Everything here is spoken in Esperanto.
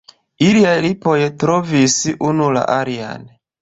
Iliaj lipoj trovis unu la alian.